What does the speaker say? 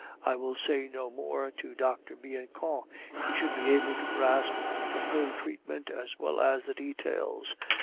I will say no more to Dr. Bianchon; he should be able to grasp the whole treatment as well as the details.